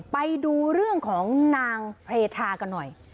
ไปดูเรื่องของนางเพธากันหน่อย